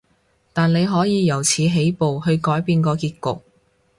但你可以由此起步，去改變個結局